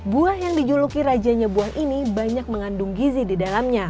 buah yang dijuluki rajanya buah ini banyak mengandung gizi di dalamnya